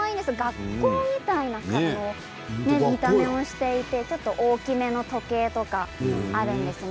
学校みたいな見た目をしていてちょっと大きめな時計とかあるんですね。